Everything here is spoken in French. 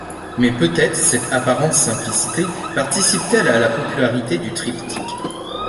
Mais peut-être cette apparente simplicité participe-t-elle à la popularité du triptyque.